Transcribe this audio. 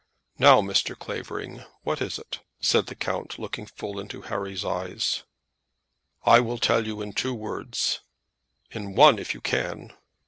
"Now, Mr. Clavering, what is it?" said the count, looking full into Harry's eye. "I will tell you in two words." "In one if you can."